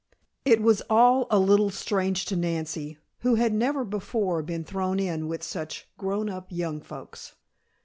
It was all a little strange to Nancy, who had never before been thrown in with such grown up young folks.